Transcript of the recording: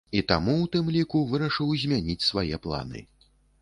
І таму, у тым ліку, вырашыў змяніць свае планы.